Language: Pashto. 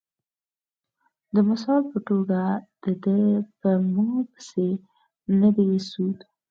د مثال پۀ توګه د دۀ پۀ ما پېسې نۀ دي سود ،